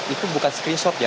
itu bukan screenshot ya